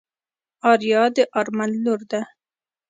آريا د آرمل لور ده.